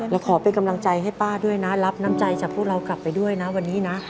ขอเป็นกำลังใจให้ป้าด้วยนะรับน้ำใจจากพวกเรากลับไปด้วยนะวันนี้นะ